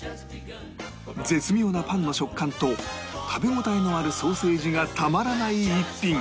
絶妙なパンの食感と食べ応えのあるソーセージがたまらない逸品